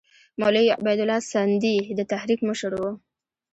مولوي عبیدالله سندي د تحریک مشر وو.